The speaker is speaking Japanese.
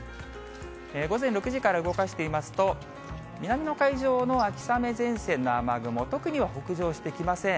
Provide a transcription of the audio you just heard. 午前６時から動かしてみますと、南の海上の秋雨前線の雨雲、特には北上してきません。